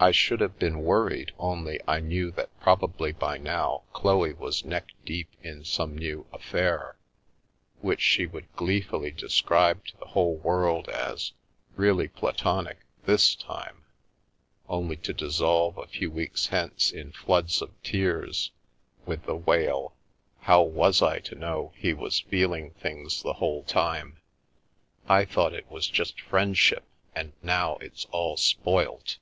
I should have been worried, only I knew that probably by now Chloe was neck deep in some new " af fair " which she would gleefully describe to the whole world as " really platonic this time," only to dissolve a few weeks hence in floods of tears with the wail :" How was I to know he was feeling things the whole time? I thought it was just friendship, and now it's all spoilt!